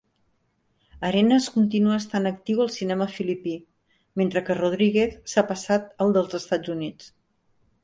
Arenas continua estant actiu al cinema filipí, mentre que Rodriguez s'ha passat al dels Estats Units.